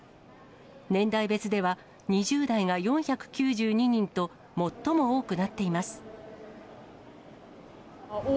年代別では、２０代が４９２人と最も多くなっています。